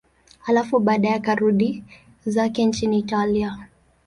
Halafu baadaye akarudi zake nchini Italia.